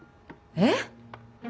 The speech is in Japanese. えっ？